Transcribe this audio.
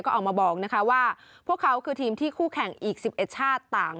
ก็ออกมาบอกว่าพวกเขาคือทีมที่คู่แข่งอีก๑๑ชาติต่าง